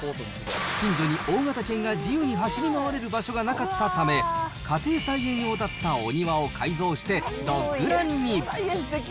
近所に大型犬が自由に走り回れる場所がなかったため、家庭菜園用だったお庭を改造して、ドッグランに。